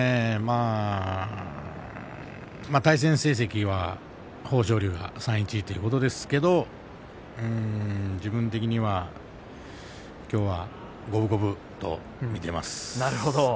対戦成績は豊昇龍が３対１ということですけれど自分的には、きょうは五分五分と見ています。